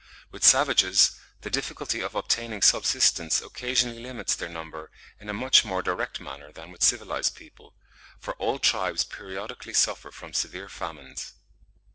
With savages the difficulty of obtaining subsistence occasionally limits their number in a much more direct manner than with civilised people, for all tribes periodically suffer from severe famines.